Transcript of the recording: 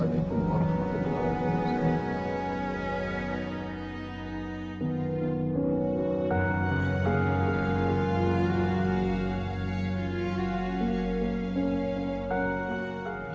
assalamualaikum warahmatullahi wabarakatuh